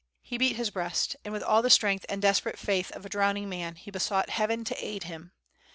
He beat his breast and with all the strength and desperate faith of a drowning man he besought Heaven to aid him.